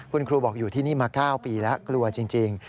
คุณครูบอกอยู่ที่นี่มา๙ปีแล้วกลัวจริง